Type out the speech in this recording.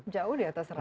jauh di atas rata rata